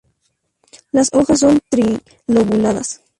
Las hojas son tri-lobuladas.